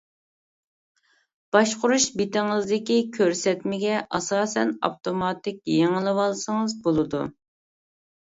باشقۇرۇش بېتىڭىزدىكى كۆرسەتمىگە ئاساسەن ئاپتوماتىك يېڭىلىۋالسىڭىز بولىدۇ.